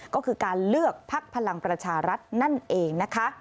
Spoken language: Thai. ก็คือการเลือกภักดิ์พลังประชารัฐนั่นเอง